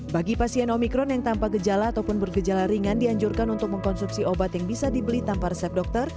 bagi pasien omikron yang tanpa gejala ataupun bergejala ringan dianjurkan untuk mengkonsumsi obat yang bisa dibeli tanpa resep dokter